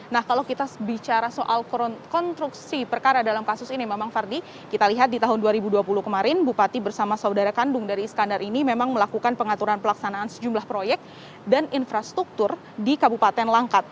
nah kalau kita bicara soal konstruksi perkara dalam kasus ini memang fardi kita lihat di tahun dua ribu dua puluh kemarin bupati bersama saudara kandung dari iskandar ini memang melakukan pengaturan pelaksanaan sejumlah proyek dan infrastruktur di kabupaten langkat